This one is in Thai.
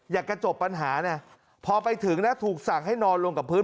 อยากจะจบปัญหานะพอไปถึงนะถูกสั่งให้นอนลงกับพื้น